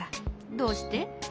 どうして？